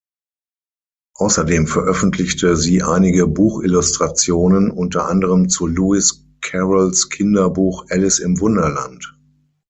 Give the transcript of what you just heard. Außerdem veröffentlichte sie einige Buchillustrationen, unter anderen zu Lewis Carrolls Kinderbuch "Alice im Wunderland".